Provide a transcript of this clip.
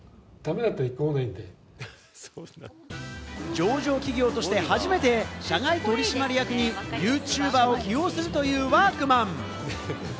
上場企業として初めて社外取締役にユーチューバーを起用するというワークマン。